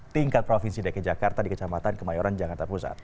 tingkat provinsi dki jakarta di kecamatan kemayoran jakarta pusat